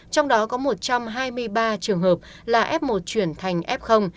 trong đó có một trăm hai mươi ba trường hợp là f một chuyển thành f